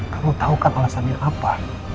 kamu tahu kan alasannya apa